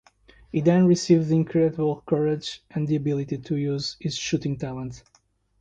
He then received incredible courage and the ability to use his shooting talent.